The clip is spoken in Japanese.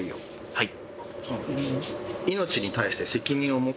はい。